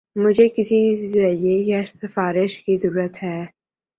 مجھے کس ذریعہ یا سفارش کی ضرورت ہے